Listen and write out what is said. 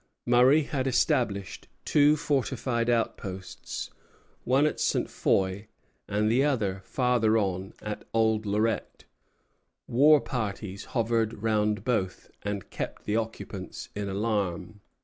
Murray had established two fortified outposts, one at Ste. Foy, and the other farther on, at Old Lorette. War parties hovered round both, and kept the occupants in alarm.